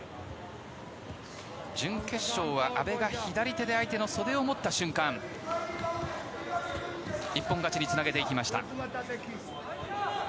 準決勝は、阿部が左手で相手の袖を持った瞬間一本勝ちにつなげていきました。